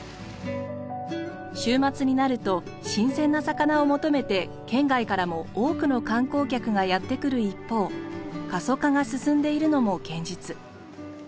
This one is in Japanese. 週末になると新鮮な魚を求めて県外からも多くの観光客がやってくる一方過疎化が進んでいるのも現実。